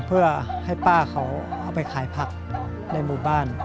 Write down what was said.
เพื่อให้ป้าเขาเอาไปขายผักในหมู่บ้าน